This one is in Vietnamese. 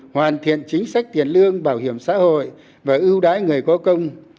hoàn thiện chính sách tiền lương bảo hiểm xã hội và ưu đãi người có công